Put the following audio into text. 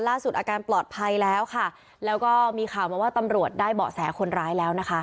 อาการปลอดภัยแล้วค่ะแล้วก็มีข่าวมาว่าตำรวจได้เบาะแสคนร้ายแล้วนะคะ